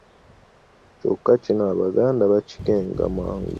Kyokka kino Abaganda baakikenga mangu